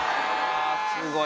すごい。